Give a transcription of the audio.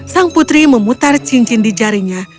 sang putri memutar cincin di jarinya